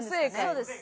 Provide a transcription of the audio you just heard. そうです。